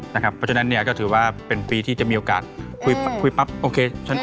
เพราะฉะนั้นเนี่ยก็ถือว่าเป็นปีที่จะมีโอกาสคุยปั๊บโอเค